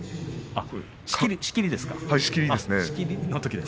仕切りです。